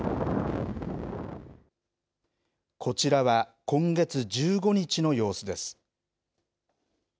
こちらは今月１５日の様子です。